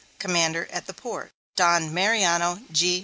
Commander at the port; Don Mariano G.